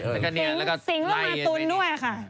สิงศ์สิงศ์แล้วมาตุนด้วยค่ะ